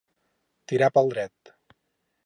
Tirar pel dret.